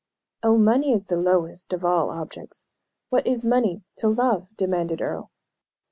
"Oh, money is the lowest of all objects. What is money to love?" demanded Earle.